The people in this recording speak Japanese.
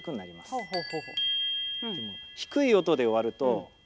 ほうほう。